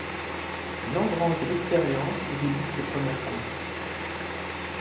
Il engrange de l'expérience et débute ses premières courses.